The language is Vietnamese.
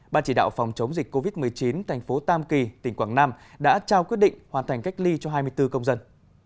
ban chỉ đạo phòng chống dịch covid một mươi chín thành phố tam kỳ tỉnh quảng nam đã trao quyết định hoàn thành cách ly cho hai mươi bốn công dân